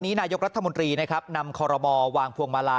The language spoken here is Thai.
นายกรัฐมนตรีนะครับนำคอรมอวางพวงมาลา